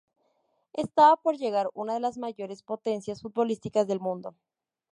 Estaba por llegar una de las mayores potencias futbolísticas del mundo.